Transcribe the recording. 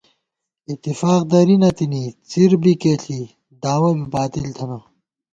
اِتِفاق درِی نہ تِنی، څِر بِکےݪی داوَہ بی باطل تھنہ